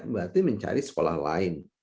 berarti mencari sekolah lain